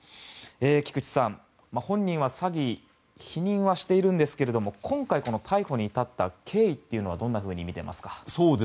菊地さん、本人は詐欺否認はしているんですが今回、逮捕に至った経緯というのはどんなふうに見ていますか？